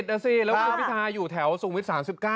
นะสิแล้วคุณพิทาอยู่แถวสุงวิทย์๓๙